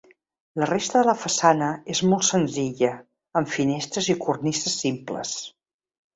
La resta de la façana és molt senzilla amb finestres i cornises simples.